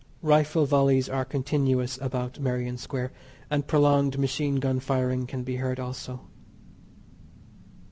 Rifle volleys are continuous about Merrion Square, and prolonged machine gun firing can be heard also.